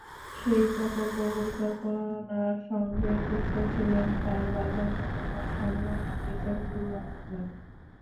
সেই প্রকল্প পরিকল্পনার সঙ্গে যুক্ত ছিলেন তাঁর বাল্যবন্ধু মোহাম্মদ মিজানুর রহমান।